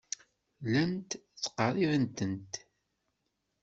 Llant ttqerribent-d.